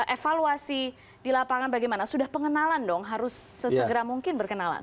evaluasi di lapangan bagaimana sudah pengenalan dong harus sesegera mungkin berkenalan